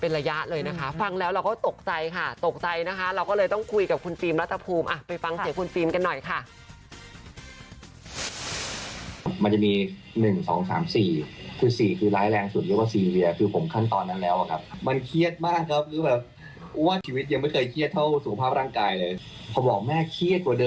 พอบอกแม่เครียดกว่าเดิมอีก